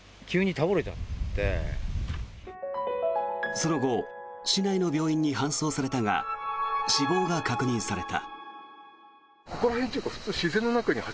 その後、市内の病院に搬送されたが死亡が確認された。